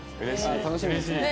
楽しみですね。